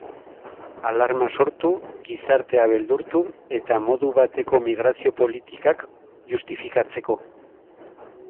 Alarma sortu, gizartea beldurtu, eta modu bateko migrazio politikak justifikatzeko.